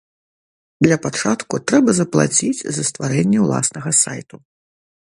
Для пачатку трэба заплаціць за стварэнне ўласнага сайту.